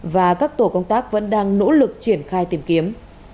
và các tổ công tác vẫn đang nỗ lực triển khai tìm kiếm